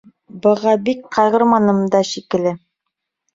Быға бик ҡайғырманым да шикелле.